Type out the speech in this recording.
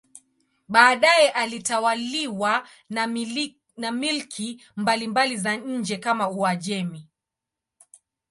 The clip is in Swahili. Baadaye ilitawaliwa na milki mbalimbali za nje kama Uajemi.